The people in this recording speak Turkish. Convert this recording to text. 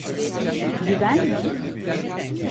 Güven mi?